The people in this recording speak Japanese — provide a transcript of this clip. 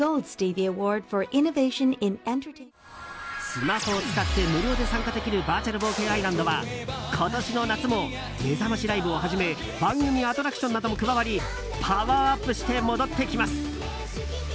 スマホを使って無料で参加できる「バーチャル冒険アイランド」は今年の夏もめざましライブをはじめ番組アトラクションなども加わりパワーアップして戻ってきます！